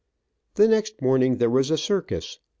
The next morning there was a circus.